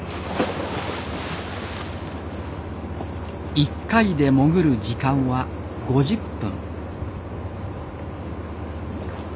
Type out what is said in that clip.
一回で潜る時間は５０分。